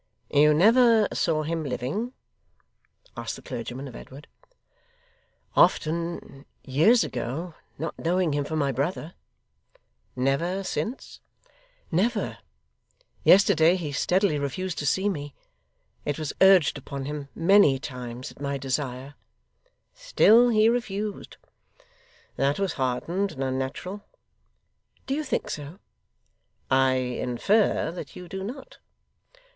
'You never saw him, living?' asked the clergyman, of Edward. 'Often, years ago; not knowing him for my brother.' 'Never since?' 'Never. Yesterday, he steadily refused to see me. It was urged upon him, many times, at my desire.' 'Still he refused? That was hardened and unnatural.' 'Do you think so?' 'I infer that you do not?